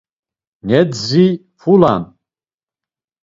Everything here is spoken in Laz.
Nedzi fula’n.